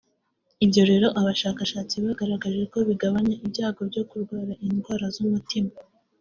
ibyo rero abashakashatsi bagaragaje ko bigabanya ibyago byo kurwara indwara z’umutima